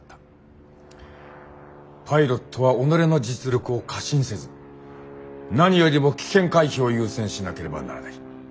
パイロットは己の実力を過信せず何よりも危険回避を優先しなければならない。